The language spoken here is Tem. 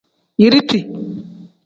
Yiriti.